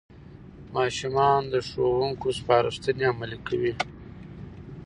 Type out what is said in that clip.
ماشومان د ښوونکو سپارښتنې عملي کوي